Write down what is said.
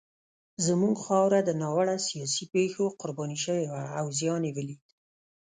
زموږ خاوره د ناوړه سیاسي پېښو قرباني شوې وه او زیان یې ولید.